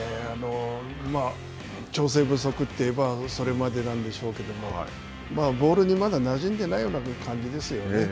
調整不足といえば、それまでなんでしょうけれども、ボールにまだなじんでないような感じですよね。